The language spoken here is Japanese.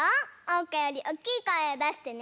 おうかよりおっきいこえをだしてね。